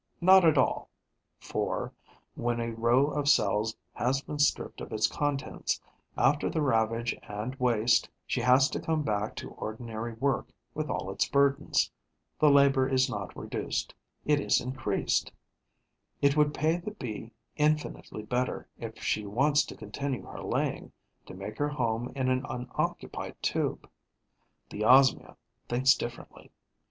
Not at all; for, when a row of cells has been stripped of its contents, after the ravage and waste, she has to come back to ordinary work, with all its burdens. The labour is not reduced; it is increased. It would pay the Bee infinitely better, if she wants to continue her laying, to make her home in an unoccupied tube. The Osmia thinks differently.